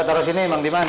kita taruh sini bang diman